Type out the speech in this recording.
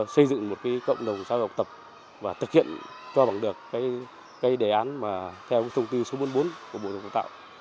xây dựng một cộng đồng xã học tập và thực hiện cho bằng được cái đề án mà theo thông tư số bốn mươi bốn của bộ giáo tạo